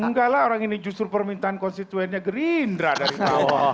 enggak lah orang ini justru permintaan konstituennya gerindra dari awal